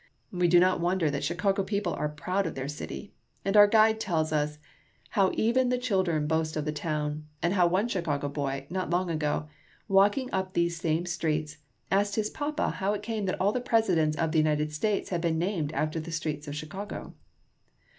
We do not wonder that Chicago people are proud of their city ; and our guide tells us how even the children boast of the town, and how one Chicago boy, not long ago, walking upon these same streets, asked his papa how it came that all the Presidents of the United States had been named after the streets of Chicago.